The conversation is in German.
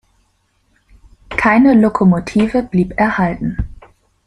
Keine Lokomotive blieb erhalten.